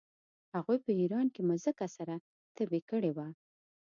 هغوی په ایران کې مځکه سره تبې کړې وه.